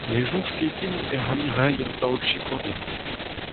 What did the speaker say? Ne soñj ket din e c'halli reiñ un taol sikour din !